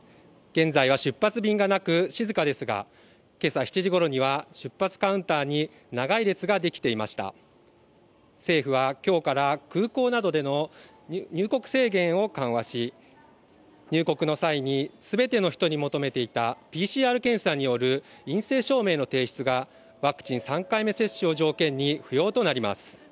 現在は出発便がなく静かですがけさ７時ごろには出発カウンターに長い列ができていました政府はきょうから空港などでの入国制限を緩和し入国の際に全ての人に求めていたＰＣＲ検査による陰性証明の提出がワクチン３回目接種を条件に不要となります